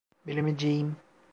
Bilemeyeceğim.